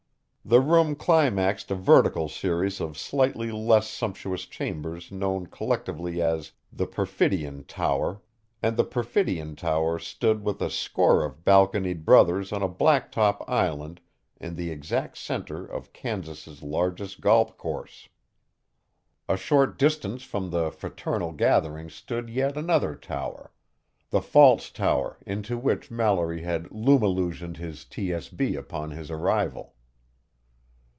The room climaxed a vertical series of slightly less sumptuous chambers known collectively as the Perfidion Tower, and the Perfidion Tower stood with a score of balconied brothers on a blacktop island in the exact center of Kansas' largest golp course. A short distance from the fraternal gathering stood yet another tower the false tower into which Mallory had lumillusioned his TSB upon his arrival.